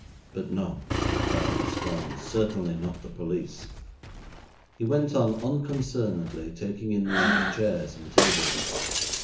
'But no!' he cried in scorn; 'certainly not the police.' He went on unconcernedly taking in the empty chairs and tables.